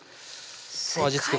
味付け